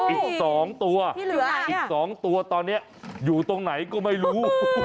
อีก๒ตัวอีก๒ตัวตอนนี้อยู่ตรงไหนก็ไม่รู้